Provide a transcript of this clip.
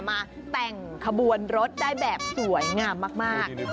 มาแต่งขบวนรถได้แบบสวยงามมาก